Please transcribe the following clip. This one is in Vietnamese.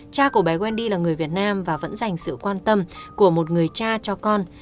cha của bé wendy là người việt nam và vẫn dành sự quan tâm của một người cha cho con